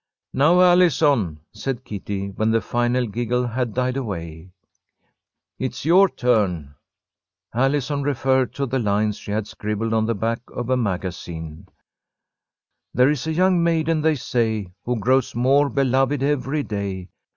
"Now, Allison," said Kitty, when the final giggle had died away. "It's your turn." Allison referred to the lines she had scribbled on the back of a magazine: "There is a young maiden, they say, Who grows more beloved every day.